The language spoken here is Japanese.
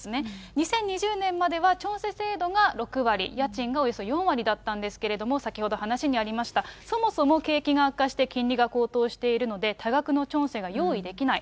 ２０２０年まではチョンセ制度が６割、家賃がおよそ４割だったんですけれども、先ほど話にありました、そもそも景気が悪化して、金利が高騰しているので、多額のチョンセが用意できない。